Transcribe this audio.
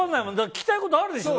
聞きたいことあるでしょ？